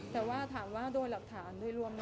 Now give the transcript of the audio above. แต่ว่าถามว่าโดยหลักฐานโดยรวมนะ